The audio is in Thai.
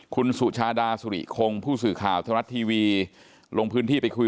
คุณสุชาธิดาศุฬิโครงพูดสื่อข่าวธนรัฐทีวีลงพื้นที่ไปคุยเรื่องนี้นะครับ